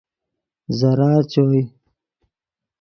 ضرار چوئے